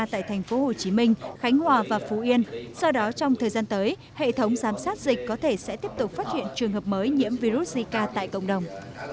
tại tp hcm khánh hòa và phú yên do đó trong thời gian tới hệ thống giám sát dịch có thể sẽ tiếp tục phát hiện trường hợp mới nhiễm virus zika tại cộng đồng